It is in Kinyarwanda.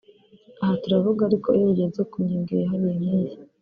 Aha turavuga ariko iyo bigeze ku ngingo yihariye nk’iyi